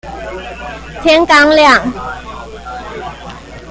天剛亮